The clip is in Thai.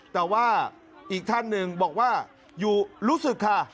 แต่ว่าอีกท่านหนึ่งบอกว่าอยู่รู้สึกค่ะ